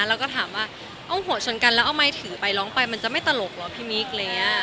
เราก็ถามว่าเอาหัวชนกันแล้วเอาไม้ถือไปร้องไปมันจะไม่ตลกเหรอพี่มิ๊กเลยน่ะ